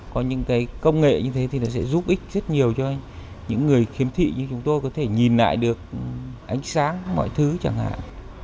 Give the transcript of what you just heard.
có những cái công nghệ như thế thì nó sẽ giúp ích rất nhiều cho những người khiếm thị như chúng tôi có thể nhìn lại được ánh sáng mọi thứ chẳng hạn